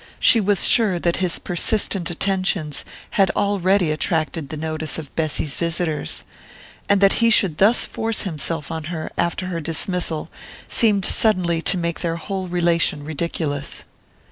She was sure that his persistent attentions had already attracted the notice of Bessy's visitors; and that he should thus force himself on her after her dismissal seemed suddenly to make their whole relation ridiculous.